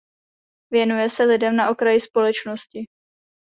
Věnuje se lidem na okraji společnosti.